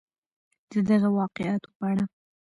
د دغه واقعاتو په اړه